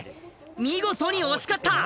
見事に押し勝った！